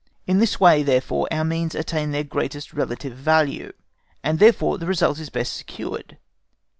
In this way, therefore, our means attain their greatest relative value, and therefore the result is best secured.